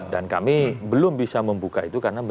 dan kami belum bisa membuka itu karena